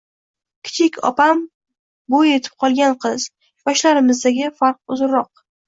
Kichik opam bo`y etib qolgan qiz, yoshlarimizdagi farq uzunroq